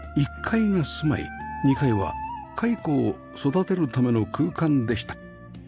１階が住まい２階は蚕を育てるための空間でした